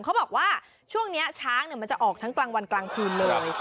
เขาบอกว่าช่วงนี้ช้างมันจะออกทั้งกลางวันกลางคืนเลย